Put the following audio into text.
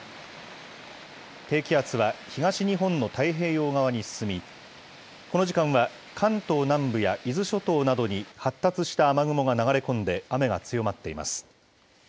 低気圧は東日本の太平洋側に進み、この時間は関東南部や伊豆諸島などに発達した雨雲が流れ込んで雨が強まっています。